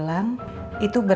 makasih ya pak